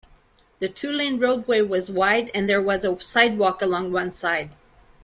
The two-lane roadway was wide, and there was a sidewalk along one side.